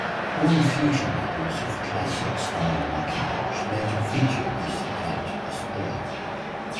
All future models of the Classic style Macintosh later featured this exact display.